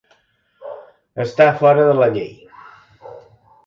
Estar fora de la llei.